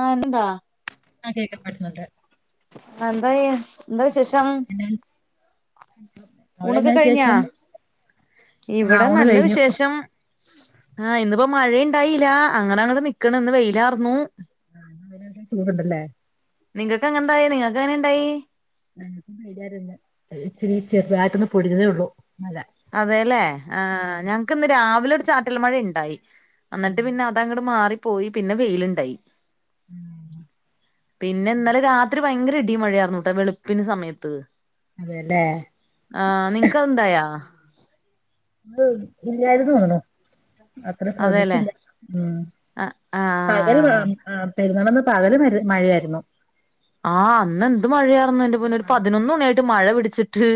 ആഹ് എന്താ ആഹ് കേൾക്കാൻ പറ്റുന്നുണ്ട് എന്തായി എന്താ വിശേഷ പിന്നെ അവിടെ ഊണൊക്കെ എന്നാ കഴിഞ്ഞാ വിശേഷം ആഹ് ഇവിടെ ഊണ് നല്ല കഴിഞ്ഞു വിശേഷം ആഹ് ഇന്നിപ്പോ മഴയിണ്ടായില്ല അങ്ങനങ്ങട് നിക്കണ് ഇന്ന് വെയിലാർന്നു ആഹ് അതിനൊക്കെ ചൂടുണ്ടല്ലേ നിങ്ങക്കെങ്ങ്ണ്ടായി നിങ്ങ ഇന്ന് എങ്ങനെണ്ടായി ആഹീച്ച [unintelligible] ഒന്ന് പൊടിഞ്ഞതേ ഒള്ളൂ അതെല്ലേ ആഹ് ഞങ്ങക്ക് ഇന്ന് രാവിലെ- ചാറ്റൽ മഴ ഇണ്ടായി എന്നിട്ട് ഉം, പിന്നെ അതങ്ങട് മാറി പോയി പിന്നെ വെയിലിണ്ടായി ഉം. പിന്നെ ഇന്നല രാത്രി- ഭയങ്കര ഇടീം മഴേയാർന്നുട്ടാ വെളുപ്പിന് സമയത്ത് അതെല്ലേ ആഹ് നിങ്ങക്ക് അത് ഇണ്ടായോ? ഉം ഇല്ലായിരുന്നു തോന്നണു അത്ര അതെല്ലേ ശ്രദ്ധിച്ചില്ല ഉം പകരം ആഹ് ആഹ് പെരുന്നാള് - പകല് മര മഴയായിരുന്നു ആഹ് അന്ന എന്ത് മഴയായിരുന്നു എന്റെ പൊന്നെഒരു ആ, പതിനൊന്ന് മണിയായിട്ട് മഴ -വി അിച്ചിട്ട്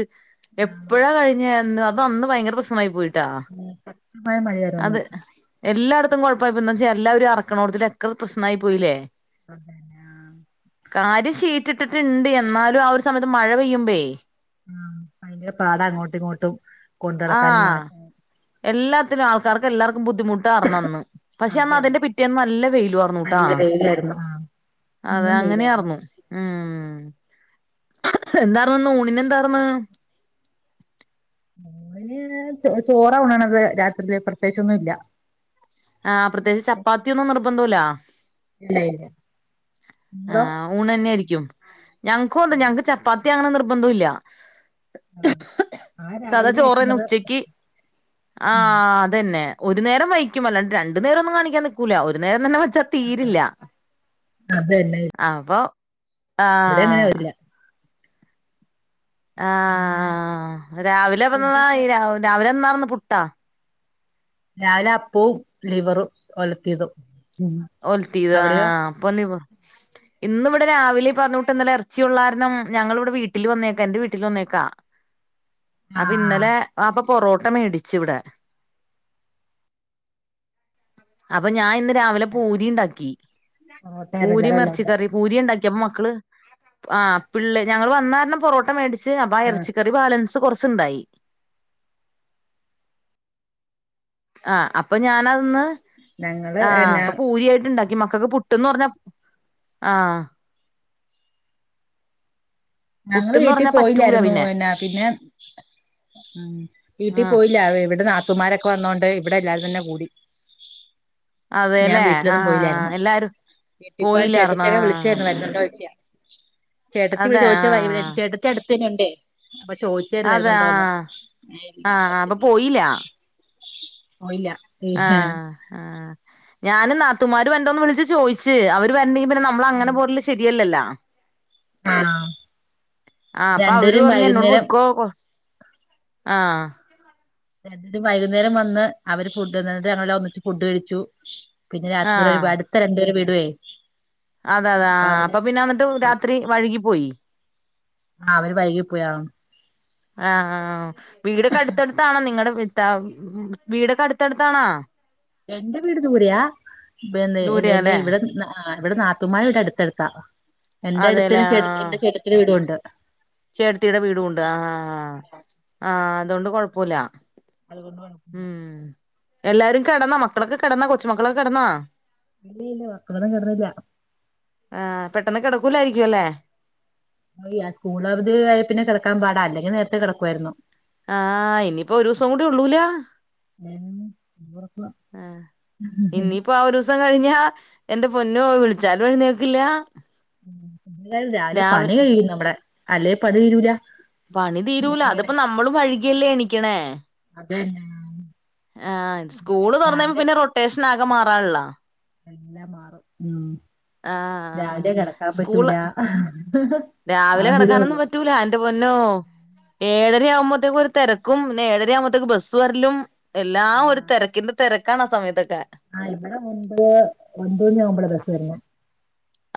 ആ, എപ്പഴാ കഴിഞ്ഞന്ന്- അന്ന് ഭയങ്ക പ്രശ്മായിയി് പോയി ഉം [unintelligible] മഴയായിരുന്നു ഇന്ന് അത് എല്ലായിടത്തും. കുഴപ്പച്ചാ എല്ലാവുംറക്കണത്തി എത്ര പ്രശ്നായി പോയില്ലേ അതെല്ലെ കാര്യം ശീറ്റ്ഇട്ടിട്ടുണ്ട് എന്നാലും ആ ഒരു സമയത്ത് മഴ പെയ്യുമ്പേ- ഉം ആ ഭയങ്കര പാട, അങ്ങോട്ടും ഇങ്ങോട്ടും കൊണ്ട നടക്കാനും, മാറ്റാ - എല്ലാ- ആൾക്കാർ എല്ലാർും- ബുദ്ധിമുട്ട ന്നാർഅന്ന് പക്ഷെ അന്ന് അതന്നെ അതിന്റെ പിറ്റേന്ന് നല്ല വെയിലും ആർന്നുട്ടാ നല്ല വെയിലായിരുന്നു ആ, അത ഇന്നും വെയിലായിരുന്നു അങ്ങനെയന്നു ഉ എന്താന്ന ഊണിന എന്താർന്ന് മോന് ചോറ ണാണത് രാത്രില് പ്രത്യേകിച്ചൊന്നും ഇല്ല ആഹ് പ്രത്യേകി ചപ്പാത്തിയ ഒന്നും - ന്നൂല ഇല്ല ഇല്ല ആ് ഊണ് തന്നൊയിയിരിക്കും ഞങ്ങക്ക്ുംന്ത ഞങ്ങക്ക് ചപ്പാത്തി അങ്ങനെ നിർബന്ധം ഇല്ല ആഹ് ആ സദാ രാവിലെ ചോറ്ന്നെ വെക്കണത് ഉച്ചക്ക് ആ ഉം അതന്നെ ഒരു നേരം വൈക്കും അല്ലാണ്ട്ണ്ട നേരംന്നും കാണിക്കാൻ നിക്കൂല്ല ഒരു നേരം തന്ന ച്ച തീരില്ല അതന്നെ ആ പോ ആ ഇവിടെ അങ്ങനെ വരില്ല ആ പിന്നെ രാവിലെ ഫുഡൊക്കെ രാവിലെ എ പുട്ടാ രാവിലെ അപ്പവും ലിവറും ഒലത്തിയതും ഉം ഒൽത്തീത് ആ അവിടെയോ അപ്പോ ലിവ ഇന്ന് ഇവിടെ രാവിലെ പറഞ്ഞ പല്ല ഇറച്ചിയ ഉള്ളാരനണം ഞങ്ങൾ ഇവിടെ വീട്ടിൽ വന്നേക്കാ എന്റെ വീട്ടിൽ വന്നേക്കാ അപ്പം ആഹ് ആഹ് ഇന്നലെ അപ്പം പൊറോട്ട മേടിച്ച്ഇവടെ അപ്പം ഞാൻ ഇന്ന് രാവിലെ പൂരിണ്ടാക്കി പൊറോട്ടയായിരുന്നു പൂരിം എല്ലാരും എർച്ചി ഉള്ളോണ്ട് കറിം പൂരിണ്ടാ ക്കിപ്പം മക്കൾ പ് ആ പിള്ളേ ഞങ്ങൾ വന്നകാരണം പൊറോട്ട മേടി ച്ച് അപ്പം ആ ആഹ് എറച്ചി കറി ബാലൻസ് സ് കൊറച്ച്ണ്ടായി ആ അപ്പം ഞാൻ അത് ന്ന് ഞങ്ങള് ആ എന്നാ അപ്പം പൂരി ആയിട്ട് ണ്ടാ ഇ മക്കക്ക് പുട്ട് എന്ന് പറഞ്ഞ ആ ആ ഞങ്ങള് പുട്ട്ന്ന് വീട്ടിൽ പറഞ്ഞാ പറ്റൂല പോയില്ലായിരുന്നു പിന്നെ എന്ന പിന്നെ മ് വീട്ടിൽ ആ പോയില്ല ഇവിടെ നാ ത്തുമാരൊക്കെ വന്നോണ്ട് ഇവിടെ എല്ലാവരും തന്നെ കൂടി ഞാൻ അതെല്ലേ ആ വീട്ടിലൊന്നും പോയില്ലായിരുന്നു എല്ലാരും വീട്ടിപോവാൻ പോയില്ലാർന്ന ചേട്ടത്തി ഒകെ ആ വിളിച്ചായിരുന്നു വരുന്നുണ്ടോ ചോയിക്കാൻ ചേട്ടത്തി അതെ ആ [unintelligible] ചേട്ടത്തി അട് പിന്നണ്ടെ അപ്പൊ ചോദിച്ചവര് അതെ ആ വരുന്നുണ്ടോന്ന് ഞാൻ ആ ഇല്ലന്ന് പറഞ്ഞ് ആഹ് ആ ഞാനും നാ ത്തുമാര് വര്ണ്ടോന്ന് വിളിച്ച് ചോയിച്ച് അവര് വര്ണ്ടെങ്കി പി നമ്മള് അങ്ങനെ പോര്ല് ശെരിയല്ലല്ല ആ ആ ആ അപ്പൊ അവര് പറഞ്ഞ് എന്നോട് പൊക്കോ ആ രണ്ടും വൈകുന്നേരം വന്ന് അവര് ഫുഡ്‌ന്നിട്ട് ഞങ്ങളെല്ലാം ഒന്നിച്ച് ഫുഡ് കഴിച്ചു പിന്നെ രാത്രിൽ ആഹ് ഒരു പ അടുത്ത രണ്ടുപേര് [unintelligible] അതെ അതെ ആ അപ്പൊ പിന്നെന്നിട്ട് രാത്രി വൈകി പോയി ആ അവര് വൈകി പോയോ ആഹ് ആഹ് വീടൊക്കെ അട്ത്തട്ത്താണോ നിങ്ങടെ വി [unintelligible] വീടൊക്കെ അട്ത്തട്ത്താണോ എന്റെ വീട് ദൂരേയ ദൂരെയാല്ലേ [unintelligible] നാത്തൂമാരെ വീട് അട്ത്തട്ത് ക എന്റെ അടുതന്നെ ചെ എൻ്റെ ചേട്ടത്തിടെ വീടുണ്ട് ചേട്ടത്തിടെ വീടും ഉണ്ട് ആഹ് ആഹ് അതുകൊണ്ട് കൊഴപ്പുല്ല [unintelligible] എല്ലാരും കെടന്നോ മക്കളൊക്കെ കെടന്നോ കൊച്ചുമക്കളൊക്കെ കെടന്നോ ഇല്ലില്ല മക്കളൊന്നും കെട്ന്നില്ല ട്ടന്ന് കെടക്കൂലായിരിക്കുല്ലേ സ്കൂൾ അവധി ആയേ പിന്നെ കിടക്കാൻ പാടാ അല്ലെങ്കിൽ നേരത്തെ കിടക്കുവായിരുന്നു. ആഹ് ഇനിയിപ്പോ ഒരു ദിവസം കൂടി ഉള്ളൂലോ ആഹ് ഇനിയിപ്പോ ആ ഒരു ദിവസം കഴിഞ്ഞാ എന്റെ പൊന്നോ വിളിച്ചാലും എഴുന്നേക്കില്ല. എന്തായാലും രാവിലെ പണി കഴിയും നമ്മടെ അല്ലെ പണി തീരൂല. പണി തീരൂല ഇങ്ങനെ അതിപ്പോ നമ്മളും വൈ കിയല്ലേ എണിക്കണേ അതന്നെ ആ. ആഹ് സ്കൂള് തുറന്നേ പിന്നെ റൊട്ടേഷൻ ആ ക്കമാറാള്ള എല്ലാം മാറും ഉം. ആഹ് രാവിലെ കിടക്കാൻ പറ്റൂല. സ്കൂള് രാവിലെ ആതേ കിടക്കാൻ ഒന്നും ഉള്ളൂ പറ്റൂല എന്റെ പൊന്നോ ഏ ഏഴരയാവുമ്പോഴത്തേക്കും ഒരു തിരക്കും പിന്നെ ഏരയാവുമ്പോഴത്തേക്കും ബസ്സ് വരലും എല്ലാം ഒരു തിരക്കിന്റെ തിര ക്കാണാ സമയത്തൊ ആഹ് ഇവിടെ മുൻപ് ഒൻപത് മണി ആവുമ്പാളാ ബസ്സ് വരണേ.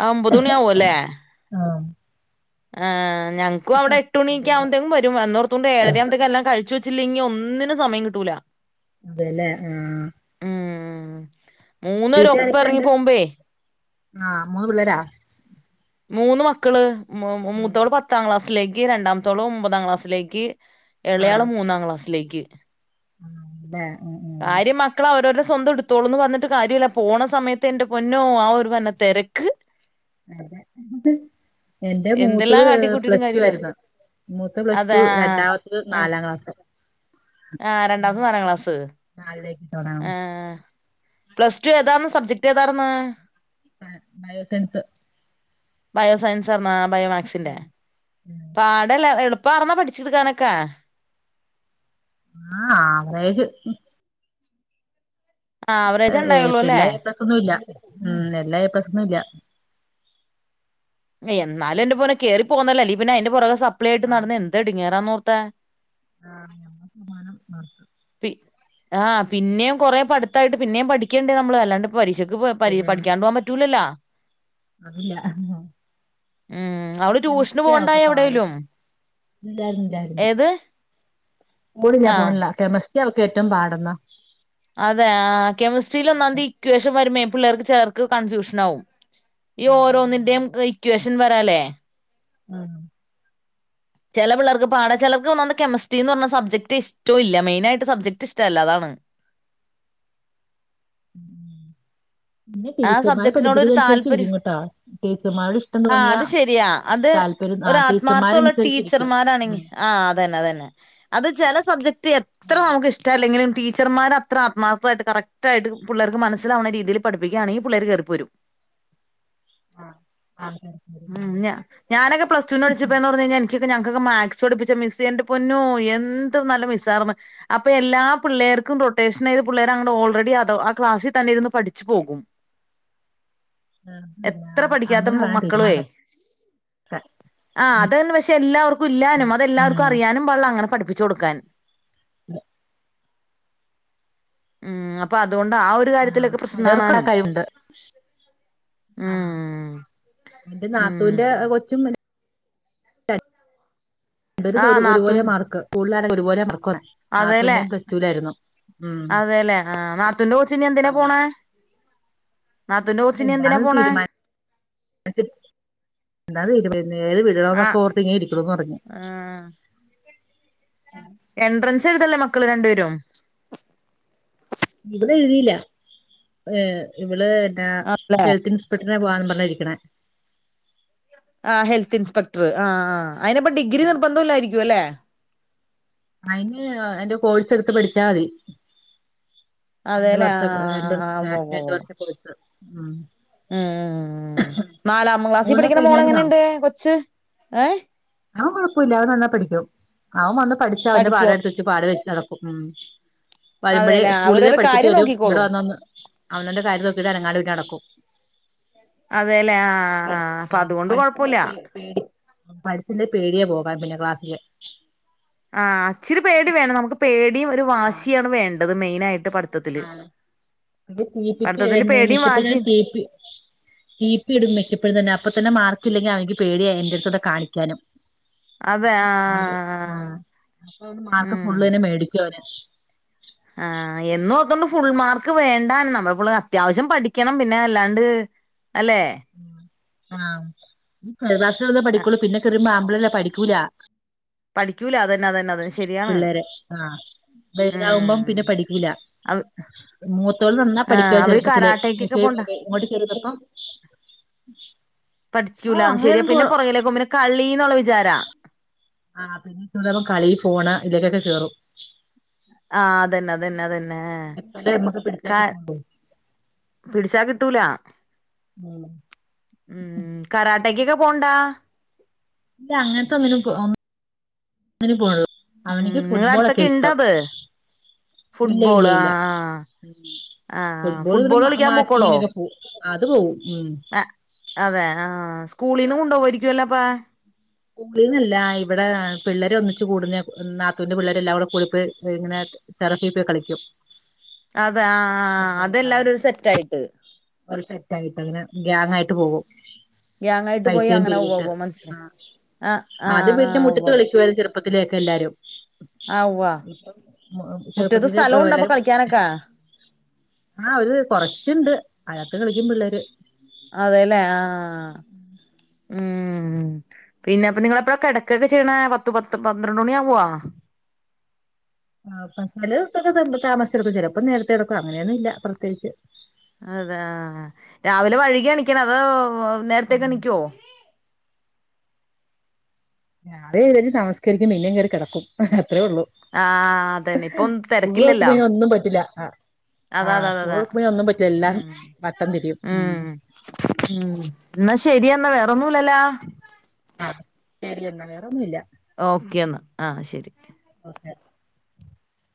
ആഹ് ഒൻപത് മണി ആവുവല്ലേ ആഹ് ഞങ്ങക്കും അവിടെ എട്ട് അതെ മണിയൊക്കെ അതെ ആകുമ്പേഴതക്കും വരും വന്നതൊണ്ട് ഏഴ് അര ആകുമ്പേഴതക്കും എല്ലാം കഴിച്ചു വെ വെച്ചില്ലെങ്കിൽ ഒന്നിനും സമയം കിട്ടൂല അതെല്ലേ ആഹ് ഉം മൂന്നേരും ഒപ്പം ഇറങ്ങി പോംബേ ആഹ് മൂന്ന് പിള്ളേരാ മൂന്ന് മക്കള് മൂ മൂത്തോള് പത്താം ക്ലാസ് [unintelligible] രണ്ടാമത്തോൾ ഒമ്പതാം ക്ലാസ്സിലേക്ക് ആ ഇളയാള് മൂന്നാം ക്ലാസ് ലേക്ക് ആ അതെ ഉം ഉം കാര്യം മക്കൾ അവരോര സ്വന്തം എടുത്തോളൂന്ന് പറഞ്ഞിട്ട് കാര്യല്ല പോണ സമയത്ത് എന്റെ പൊന്നോ ആ ഒരു പന്നെ തിരക്ക് [inaudible] എന്റെ മൂത്തത് എന്തെല്ലാം കാട്ടിക്കൂട്ടിയിട്ടും പ്ലസ് ടു കാര്യമില്ല ആയിരുന്നു മൂത്തെ പ്ലസ് അതെ ടു രണ്ടാമത്തത് നാലാം ക്ലാസിൽ ആ രണ്ടാമത്തെ നാലാം ക്ലാസ് നാലിലേക്ക് ആ പോണാണ് പ്ലസ് ടു ഏതാന്ന് സബ്ജക്ട് ഏതാർന്ന്? ആ ബയോസയൻസ് ബയോസയൻസാർന്നോ ബയോമാക്സിന്റെ പാടല്ലെ എളുപ്പ ർന്നോ പഠിച്ചെടുക്കാനൊക്കെ ആ ആവറേജ് ആവറേജ് ഉണ്ടായുള്ളൂ അല്ലേ ഏപ്രില ഏപ്ലസൊന്നും ഇല്ല ഉം എല്ലാ ഏപ്ലസൊന്നുല്ല എന്നാലും എന്റെ പൊന്നൊ കേറി പോന്നല്ലോ അല്ലെ പിന്നെ അതിന്റെ പൊറകെ സപ്ലിയായിട്ട് ആ നടന്ന എന്തഎടങ്ങേറാ ന്നോർ ത്ത ആ ഞമ്മക്കും മാണം ആ പിന്നെയും കോറെ പഠത്തായിട്ട് പിന്നേ പഠിക്കേണ്ടേ നമ്മള് അല്ലാണ്ട് പരീക്ഷക്ക് പ പഠിക്കാണ്ട് പോകാൻ പറ്റൂലല്ലോ അതല്ല ഉം അവള് ട്യൂഷന് പോവണ്ടായ പാട് എവിടെലും ഏത് പോണില്ലാ ആഹ് പോണില്ലാ കെമി [unintelligible] ഏറ്റവും പാടുന്ന അതെ ആ കെമിസ്ട്രിയിൽ ഒന്നാതീ ഇകേഷൻ വരുമ്പേ പിള്ളേർക്ക് ചേർക്ക് കൺഫ്യൂഷൻ ആവും ഈ അതെ ഓരോന്നിന്റെയും ഇക്വേഷൻ വ ല്ലേ ഉം ചില പിള്ളർക്ക് പാട ചിലർക്ക് ഒന്നാമത് കെമിസ്ട്രിന്ന് പറഞ്ഞാ സബ്ജക്ട് ഇഷ്ടല്ല മെയിനായിട്ട് സബ്ജെക്ട് ഇഷ്ടമല്ലാതാണ് പിന്നെ ആ ടീച്ചർമാര് സബ്ജെക്ടിനോട് ഒരു പഠിപ്പിക്കുന്നതനുസരിച്ച് താല്പര്യം ഇരിക്കും കേട്ടോ ടീച്ചർമാരുടെ ഇഷ്ടം ആഹ് അത് തോന്നിയാ ശരിയാ അത് താല്പര്യം ആ ഒരു ആത്മാർത്ഥ ഒള്ള ടീച്ചർമാരനുസരിച്ചിരിക്കും ടീച്ചർമാരാണെങ്കി ഉം ആഹ് അതന്നെ അതന്നെ അത് ചെല സബ്ജ എത്ര നമുക്ക് ഇഷ്ട്ടല്ലെങ്കിലും ടീച്ചർമാർ അത്ര ആത്മാർത്ഥമായിട്ട് കറക്റ്റായിട്ട് പുള്ളേർക്ക് മനസ്സിലാവുന്ന രീതിയിൽ പഡീ പ്പിക്കയാണെങ്കി പിള്ളേര് കേറിപ്പോരും ആഹ് ഉം ഞാ ഞാനൊക്കെ പ്ലസ് ടുന് പഠിച്ചപ്പോയെന്ന് പറഞ്ഞ് കഴിഞ്ഞാ എനിക്കൊക്കെ ഞങ് ക്കൊക്ക മാത്‍സ് പഠപ്പിച്ച മിസ് എന്റെ പൊന്നോ എന്ത് നല്ല മിസ് ആർന്ന് അപ്പൊ എല്ലാ പിള്ളേർക്കും റൊട്ടേഷൻ ആയത് പിള്ളേർ അങ്ങട് ഓൾറെഡി അത് ആ ക്ലാസിൽ തന്നെ ഇരുന്ന് പഠിച്ചു പോകും മ്മ് [unintelligible] അങ്ങനെ വേണം ടീ ക്കളുവെ ആഹ് അതന്നെ പക്ഷെ എല്ലാവർക്കും ഇല്ലാനും അത് എല്ലാവർക്കും ഉം അറിയാനും പാടില്ല അങ്ങനെ പഠ് ച്ചൊടുക്കാൻ ഇവിടെ ഉം അപ്പൊ അ തുകൊണ്ട് ആ ഒരു ആഹ് കാര്യത്തിലൊക്കെ പ്രശ്നം ചിലർക്ക് ആ കാണാനും കഴിവുണ്ട് ഉം ന്റേ ഉം നാത്തൂവിന്റെ കൊച്ചും ഇവരത് ആഹ് നാത്തൂൻ ഒരുപോലെയാ മാർക്ക് സ്കൂൾ തുപോലെ അതെല്ലേ ഉം അതെല്ലേ ആ നാത്തൂന്റെ കൊച്ച് ഇനി എന്തിനാ പോണെ എന്താന്ന് തീരുമാനിച്ചിട്ടില്ല എന്താ [unintelligible] ഏത് വിടണോന്നൊക്കെ ആഹ് ഓർത്തിങ്ങെനെ ഇരിക്കാണുന്ന് പറഞ്ഞ് ആഹ് എൻട്രൻസ് ചെറുതല്ലെ മക്കള് രണ്ടുപേരും ഇവള് എഴുതില ഇവള് ആ ആല്ലേ ഹെൽത്ത്‌ ഇൻസ് ഇപ്പോഴേ പോവാന്നും പറഞ്ഞ ഇരിക്കണേ ആ ഹെൽത്ത് ഇൻസ്പെക്ടർ ആ ആ അതിന് ഇപ്പാ ഡിഗ്രി നിർബന്ധം ഇല്ലായിരിക്കും അല്ലെ അയിന് അയിന്റെ കോഴ്സ് എടുത്ത് പഠിച്ചാ മതി രണ്ടു അതെല്ലേ വർഷ ആഹ് രണ്ടു ആഹ് വർഷം ആഹ് ര രണ്ട് വർഷത്തെ കോഴ്സ് ഉം ഉം ഉം നാലാം ക്ലാസ്സിൽ ഊണ് പഠിക്കണ മോള് കഴിഞ്ഞായിരുന്നോ എങ്ങനെണ്ട് കൊച്ച് ഏഹ് അവൻ കുഴപ്പമില്ല അവൻ നന്നായി പഠിക്കും അവൻ വന്ന് പഠിച്ച അവന്റെ പഠിക്കോ പാഠം എടുത്ത് വെച്ച് പാട് വെച്ച നടപ്പും ഉം വരുമ്പഴേ അതെല്ലേ സ്കൂളിലേ അവരൊരു പഠിച്ചിട്ട് കാര്യം വരും ഇവിടെ നോക്കിക്കോളും വന്ന ഒന്ന് അവനവന്റെ കാര്യം നോക്കിട്ട് അനങ്ങാണ്ട് പിന്നെ നടക്കും അതെല്ലേ ആഹ് ആഹ് അപ്പൊ അതുകൊണ്ട് പഠിച്ചില്ലേ കൊഴപ്പില്ല പേ പേടി പഠിച്ചില്ലേ പേടിയാ പോകാൻ പിന്നെ ക്ലാസ്സില് ആ ഇച്ചിരി പേടി വേണം നമുക്ക് പേടിയും ഒരു വാശിയാണ് വേണ്ടത് മെയിനായിട്ട് പഠിത്തത്തില് ആ അ [unintelligible] പഠിത്തത്തില് പേടിയും മിക്കപ്പോഴും വാശിയും [unintelligible] തന്നെ അപ്പൊ തന്നെ മാർ പല്ലെങ്കി അവക്ക് പേടിയായി എൻ്റെടുത്ത് ഒന്ന് കാണിക്കാനും അതെ ആ അത ആ അപ്പൊ മാർക്ക് ഉം ഫുള്ന്നെ മേടിക്കുവനെ ആ എന്നും ഓർത്തോണ്ട് ഫുൾ മാർക്ക് വേണ്ട നമ്മള പിള്ളേര് അത്യാവശ്യം പഠിക്കണം പിന്നെ അല്ലാണ്ട് അല്ലേ ആഹ് [unintelligible] പഠിക്കുള്ള പിന്നെകേറി മാ ല്ല പഠിക്കൂല പഠിക്കൂല അതന്നെ അതന്നെ അതന്നെ ശരിയാണ് പിള്ളേരെ ആഹ വലുതാകുമ്പോ ഉം പിന്നെ പഠിക്കൂല്ല അത് മൂത്തോള് നന്നാ ആഹ് പഠിക്ക അവര് ചെറുപ്പത്തില് കരാട്ടേക്കൊക്കെ പക്ഷെ പോണ്ട ഇങ്ങോട്ട് കേറി വന്നപ്പോ പഠിച്ചൂല ശരിയാ പോ പിന്നെ പുറകിലേക്ക് പോവും പിന്നെ കളി നുള്ള വിചാരാ ആ പിന്നെ തുടങ്ങും കളി ഫോണ് ഇതിലൊക്ക കേറും ആഹ് അതന്നെ അതന്നെ അത ന്നെ എപ്പഴേ നമ്മക്ക് പിടിച്ചാ കിട്ടുള്ളൂ പിടിച്ചാ കിട്ടൂല ഉം ഉം കരാട്ടെക്കൊക്കെ പോണ്ടാ ഇല്ല അങ്ങനത്തെ ഒന്നിനു പോ ഒന്നിനു പോ ഉം നിങ്ങള അടുത്തൊക്കെ ഇണ്ടത് ഇല്ല ഫുട്ബോൾ ഇല്ല ഇല്ല ആഹ ഉം ആ് ഇവിടെ ഫുട്ബോൾ കളിക്കാൻ പോക്കോളോ മാച്ചിങ്ങിനൊക്കെ പോവും അത് പോവും ഉം അതെ ആഹ് സ്കൂളിൽന്ന് കൊണ്ടുപോകായിരിക്കുവല്ലപ്പ സ്കൂളീന്നല്ല ഇവിടെ പിള്ളേരൊന്നിച്ച് കൂടുന്നെ നാത്തൂന്റെ പിള്ളരെല്ലാം കൂടീട്ട് ഇങ്ങനെ ടെറസിൽ പോയി കളിക്കും. അത ആ ആ അതെല്ലാവരും ഒരു സെറ്റ് ആയിട്ട് അവര് സെറ്റായിട്ടങ്ങനെ ഗ്യാങ്ങായിട്ട് പോകും ഗ്യാങ്ങായിട്ട് പോയി പൈസയും അങ്ങനെ ഉവ്വ പിരിവിട്ട് ഉവ്വ മനസ്സിലായി ആ ആഹ് ആദ്യം ആഹ് വീടിൻ്റെ ആഹ് ഉവ്വ മുറ്റത്ത് കളിക്കുവായിരുന്നു ചെറുപ്പത്തിലെയൊക്കെ എല്ലാവരും ആഹ് ഉവ്വ ഇപ്പം മുറ്റത്ത് ചെറുപ്പത്തില് സ്ഥലം ഉണ്ടോ അപ്പൊ എല്ലാരും കളിക്കാനൊക്കെ ആ ഒരു കൊറച്ചുണ്ട് അയാ [unintelligible] കളിക്കും പിള്ളേര് അതേല്ലേ ആഹ് ഉം പിന്നെപ്പ നിങ്ങള് എപ്പഴാ കിടക്കേക്ക ചെയ്യണെ പത്തു പത്ത് പന്ത്രണ്ട് മണി ആവുവാ ആ ചില ദിവസോക്കെ താമസിച്ച് ടക്കും ചിലപ്പോ നേരത്തെ കെടക്കും അങ്ങനെയൊന്നും ഇല്ല പ്രത്യേകിച്ച് അതെ ആ രാവിലെ വഴുകിയാ എണീക്കണത് അതോ നേരത്തേക്ക് ഉം. എണിക്കുവോ രാവിലെ എണീറ്റ് നമസ്കരിക്കും ഇല്ലെങ്കി കയറി കിടക്കും ആഹ് അതന്നെ ഇപ്പം സ്കൂള് തിരക്കില്ലല്ലോ തൊറക്കുമ്പോ ഇനി ഒന്നും പറ്റില്ല ആ, ആഹ് സ്കൂൾ അതാതതതെ തുറക്കുമ്പോ ഒന്നും പറ്റില്ല എല്ലാം ഉം വട്ടം തിരിയും ഉം ഉം എന്നാ ശരിയെന്ന വേ ഒന്നൂല്ലല്ലാ ആഹ് ശരി എന്നാ വേറൊന്നും ഇല്ല ഓക്കെ എന്നാ ആഹ് ശരി ഓക്കെ